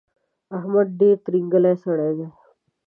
احمد ډېر ترینګلی سړی دی.